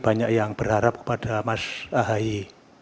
banyak yang berharap kepada mas ahaye